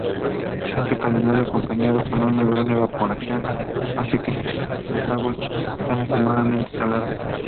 Este calentamiento, acompañado de una gran evaporación, hace que sus aguas sean extremadamente saladas.